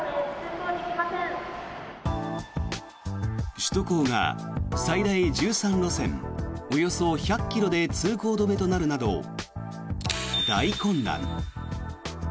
首都高が最大１３路線およそ１００ｋｍで通行止めとなるなど大混乱。